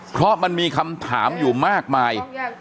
เพราะมันมีคำถามอยู่มากมาย